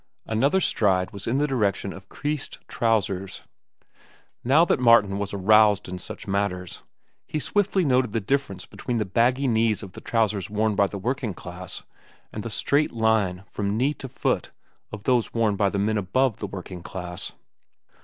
Another stride was in the direction of creased trousers. Now that Martin was aroused in such matters, he swiftly noted the difference between the baggy knees of the trousers worn by the working class and the straight line from knee to foot of those worn by the men above the working class.